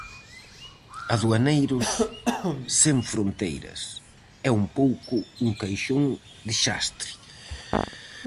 "Aduaneiros sen fronteiras" é un pouco un caixón de xastre.